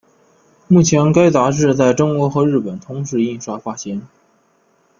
目前该杂志在中国和日本同时印刷发行。